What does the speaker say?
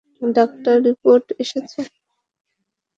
ডাক্তারের রিপোর্ট এসেছে।